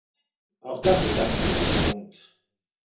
Auch das ist ein Kritikpunkt.